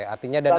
artinya dana apbn